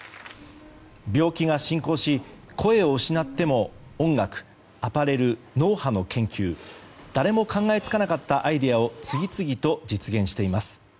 病気が進行し声を失っても音楽、アパレル、脳波の研究誰も考えつかなかったアイデアを次々と実現しています。